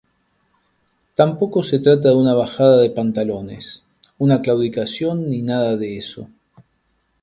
Tampoco se trata de una bajada de pantalones, una claudicación ni nada de eso.